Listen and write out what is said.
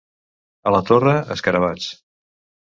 A la Torre, escarabats.